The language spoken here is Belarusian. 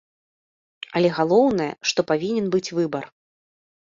Але галоўнае, што павінен быць выбар.